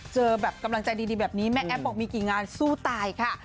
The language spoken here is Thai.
เจอแบบกำลังใจดีแบบนี้แม่แอ๊บบอกมีกี่งานสู้ตายค่ะ